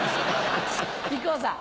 木久扇さん。